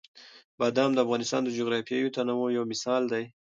بادام د افغانستان د جغرافیوي تنوع یو مثال دی.